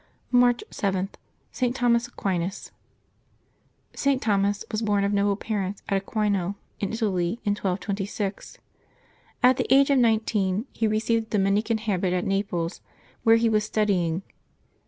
March 7.— ST. THOMAS AQUINAS. [t. Thomas was born of noble parents at Aquino in Italy, in 1326. At the age of nineteen he received the Dominican habit at Naples, where he was studying.